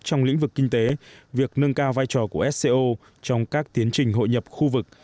trong lĩnh vực kinh tế việc nâng cao vai trò của sco trong các tiến trình hội nhập khu vực